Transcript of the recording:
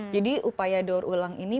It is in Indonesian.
jadi upaya door ulang ini